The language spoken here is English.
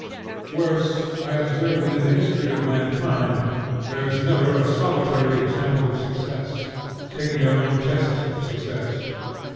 Worse, I observe that in the history of mankind there is never a solitary example of success, taking their own tests of success.